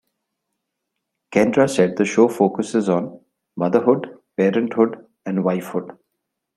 Kendra said the show focuses on "motherhood, parenthood, and wife hood".